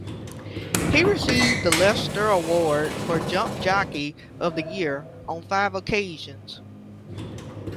He received the Lester Award for Jump Jockey of the Year on five occasions.